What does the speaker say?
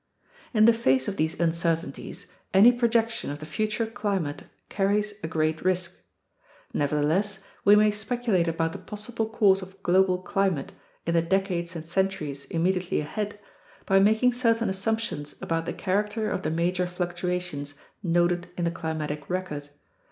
In the face of these uncertainties, any projection of the future climate carries a great risk. Nevertheless, we may speculate about the possible course of global climate in the decades and centuries immediately ahead by making certain assumptions about the character of the major fluctuations noted in the climatic record.